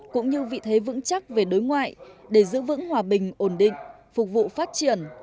cũng như vị thế vững chắc về đối ngoại để giữ vững hòa bình ổn định phục vụ phát triển